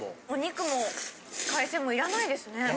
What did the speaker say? お肉も海鮮もいらないですね。